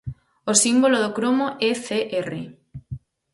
O símbolo do cromo é Cr